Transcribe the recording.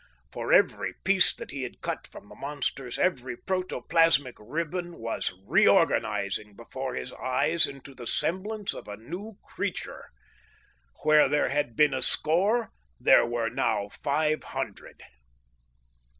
For every piece that he had cut from the monsters, every protoplasmic ribbon was reorganizing before his eyes into the semblance of a new creature. Where there had been a score, there were now five hundred!